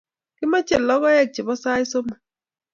Kimache lokoek che po sait somok